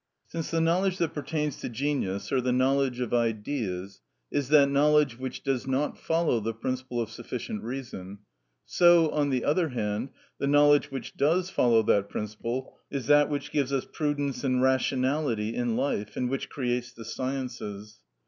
Since the knowledge that pertains to genius, or the knowledge of Ideas, is that knowledge which does not follow the principle of sufficient reason, so, on the other hand, the knowledge which does follow that principle is that which gives us prudence and rationality in life, and which creates the sciences.